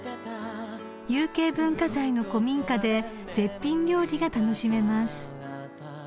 ［有形文化財の古民家で絶品料理が楽しめます］